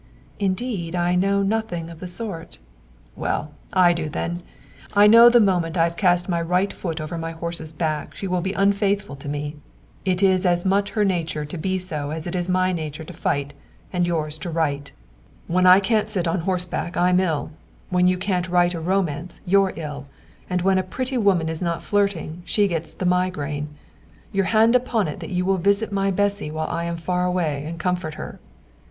"Indeed, I know nothing of the sort." "Well, I do then. I know that the moment I've cast my right foot over my horse's back she will be unfaithful to me. It is as much her nature to be so as it is my nature to fight and yours to write. When I can't sit on horseback I'm ill, when you can't write a romance you're ill, and when a pretty woman is not flirting she gets the migraine. Your hand upon it that you will visit my Bessy while I am far away and comfort her!"